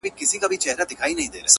په تورو سترگو کي کمال د زلفو مه راوله.